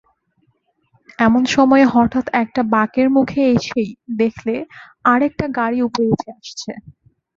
এমন সময়ে হঠাৎ একটা বাঁকের মুখে এসেই দেখলে আর-একটা গাড়ি উপরে উঠে আসছে।